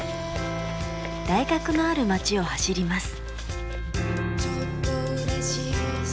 大学のある街を走ります。